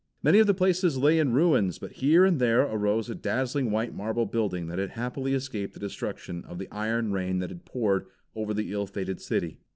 Many of the places lay in ruins, but here and there arose a dazzling white marble building that had happily escaped the destruction of the iron rain that had poured over the ill fated city.